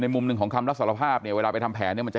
มุมหนึ่งของคำรับสารภาพเนี่ยเวลาไปทำแผนเนี่ยมันจะ